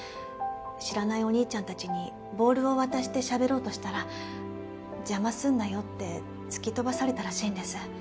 知らないお兄ちゃんたちにボールを渡してしゃべろうとしたら「邪魔すんなよ」って突き飛ばされたらしいんです。